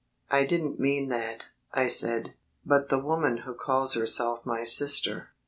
"I didn't mean that," I said, "but the woman who calls herself my sister...."